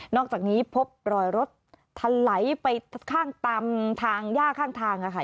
อกจากนี้พบรอยรถทะไหลไปข้างตามทางย่าข้างทางค่ะ